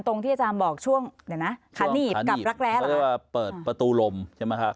ที่อาจารย์บอกช่วงเดี๋ยวนะขาหนีบกับรักแร้หรือว่าเปิดประตูลมใช่ไหมฮะ